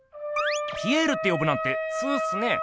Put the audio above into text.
ピエールってよぶなんてツウっすね。